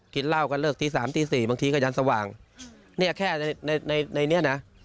กินเหล้ากันเลิกตีสามตีสี่บางทีก็ยันสว่างเนี่ยแค่ในในนี้นะ